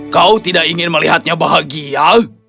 kau tidak ingin melihatnya bahagia